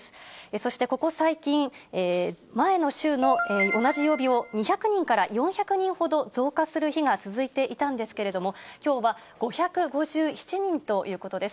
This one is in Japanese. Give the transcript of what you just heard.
そして、ここ最近、前の週の同じ曜日を２００人から４００人ほど増加する日が続いていたんですけれども、きょうは５５７人ということです。